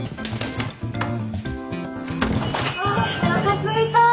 あおなかすいた！